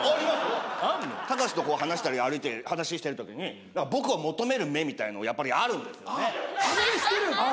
隆と話したり歩いて話してる時に僕を求める目みたいのやっぱりあるんですよ。